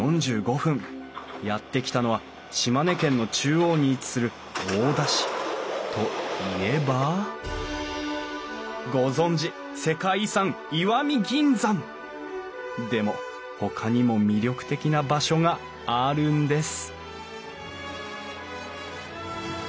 やって来たのは島根県の中央に位置する大田市。といえばご存じ世界遺産石見銀山！でもほかにも魅力的な場所があるんです